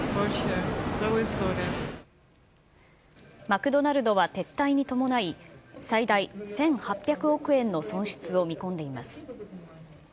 マクドナルドは撤退に伴い、最大１８００億円の損失を見込んでいます。